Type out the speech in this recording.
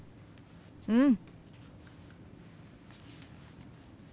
うん。